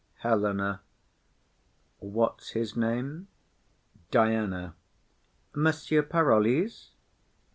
HELENA. What's his name? DIANA. Monsieur Parolles.